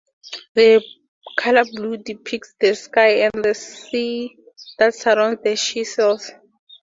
The colour blue depicts the sky and the sea that surrounds the Seychelles.